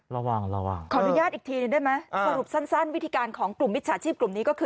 ขออนุญาตอีกทีได้ไหมสรุปสั้นวิธีการของกลุ่มมิจฉาชีพกลุ่มนี้ก็คือ